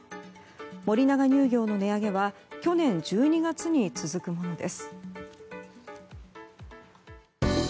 森永乳業の値上げは去年１２月に続くものです。